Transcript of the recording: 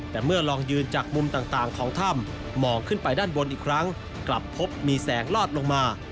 แต่เมื่อลองยืนจากมุมต่างของถ้ำมองขึ้นไปด้านบนอีกครั้งกลับพบมีแสงลอดลงมา